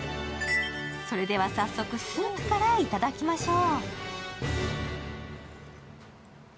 それでは早速、スープからいただきましょう。